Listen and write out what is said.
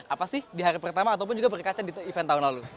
apa sih di hari pertama ataupun juga berkaca di event tahun lalu